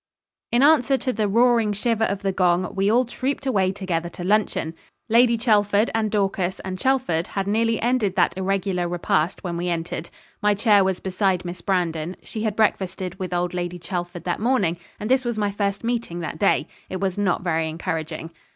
In answer to 'the roaring shiver of the gong' we all trooped away together to luncheon. Lady Chelford and Dorcas and Chelford had nearly ended that irregular repast when we entered. My chair was beside Miss Brandon; she had breakfasted with old Lady Chelford that morning, and this was my first meeting that day. It was not very encouraging.